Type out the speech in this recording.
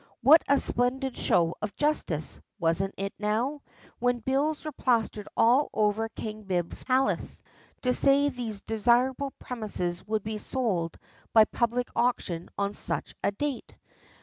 What a splendid show of justice, wasn't it now, when bills were plastered all over King Bibbs's palace, to say those desirable premises would be sold by public auction on such a date?